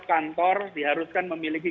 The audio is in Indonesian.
kantor diharuskan memiliki